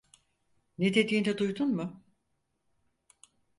Ne dediğini duydun mu?